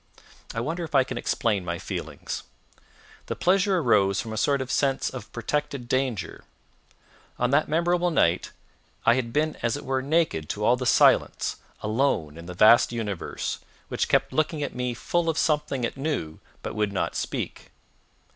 I wonder if I can explain my feelings. The pleasure arose from a sort of sense of protected danger. On that memorable night, I had been as it were naked to all the silence, alone in the vast universe, which kept looking at me full of something it knew but would not speak.